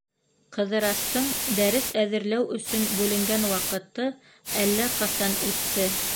Ҡыҙырастың дәрес әҙерләү өсөн бүленгән ваҡыты әллә ҡасан үтте.